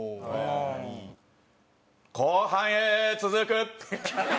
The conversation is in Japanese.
「後半へ続く」。